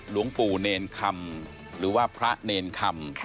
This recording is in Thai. หลวงปู่เนรคำหรือว่าพระเนรคำ